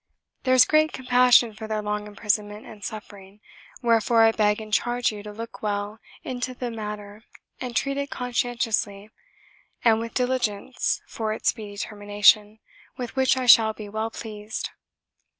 There is great compassion for their long imprisonment and suffering, wherefore I beg and charge you to look well into the matter and treat it conscien tiously and with diligence for its speedy termination, with which I shall be well pleased."